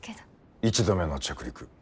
１度目の着陸。